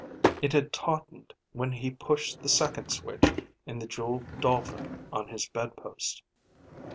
It had tautened when he pushed the second switch in the jeweled dolphin on his bedpost.